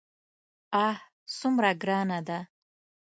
آه څومره ګرانه ده.